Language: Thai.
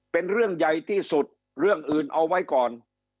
เป็นเรื่องใหญ่ที่สุดเรื่องอื่นเอาไว้ก่อน